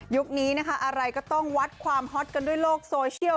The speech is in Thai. นี้นะคะอะไรก็ต้องวัดความฮอตกันด้วยโลกโซเชียล